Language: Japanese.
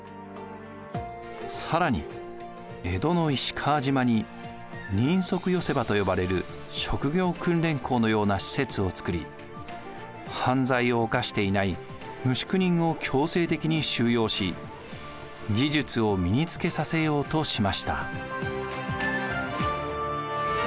更に江戸の石川島に人足寄場と呼ばれる職業訓練校のような施設を作り犯罪を犯していない無宿人を強制的に収容し技術を身につけさせようとしました。